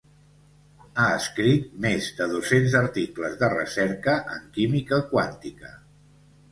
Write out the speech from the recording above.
Ha escrit més de dos-cents articles de recerca en química quàntica.